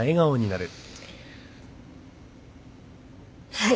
はい。